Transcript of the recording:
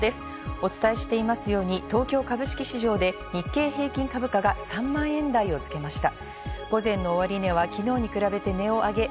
お伝えしていますように、東京株式市場で日経平均株価が３万円台をつけました。